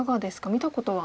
見たことは。